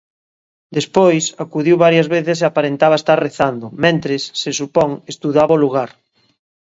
Despois, acudiu varias veces e aparentaba estar rezando, mentres, se supón, estudaba o lugar.